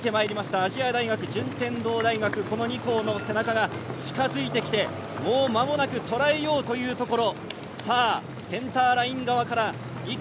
亜細亜大学、順天堂大学その２校の背中が近づいてきて間もなく捉えようというところ。